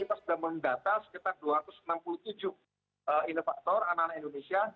kita sudah mendata sekitar dua ratus enam puluh tujuh inovator anak anak indonesia